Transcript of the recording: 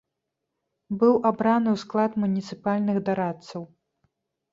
Быў абраны ў склад муніцыпальных дарадцаў.